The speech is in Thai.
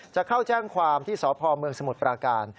จะเข้าแจ้งความที่สพเมืองสมุทรปราการ